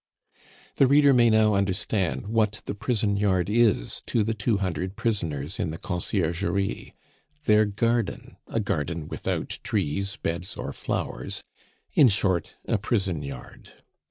The reader may now understand what the prison yard is to the two hundred prisoners in the Conciergerie: their garden a garden without trees, beds, or flowers in short, a prison yard.